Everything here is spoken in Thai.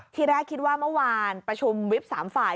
ทีแรกคิดว่าเมื่อวานประชุมวิบ๓ฝ่าย